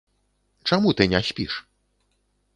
Чаму ты не спіш?